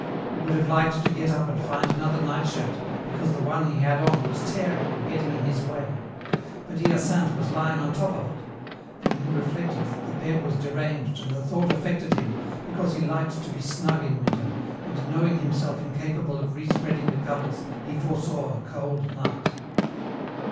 He would have liked to get up and find another nightshirt, because the one he had on was tearing and getting in his way. But Hyacinthe was lying on top of it then he reflected that the bed was deranged and the thought affected him, because he liked to be snug in winter, and knowing himself incapable of respreading the covers, he foresaw a cold night.